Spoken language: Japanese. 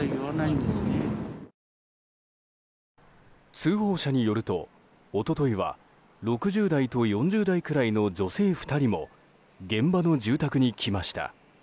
通報者によると一昨日は６０代と４０代くらいの女性２人も現場の住宅に来ました。